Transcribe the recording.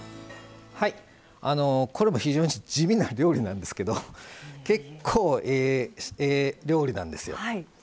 これも非常に地味な料理なんですけど結構、ええ料理なんですよ。